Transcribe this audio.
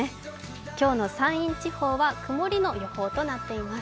今日の山陰地方は曇りの予報となっています。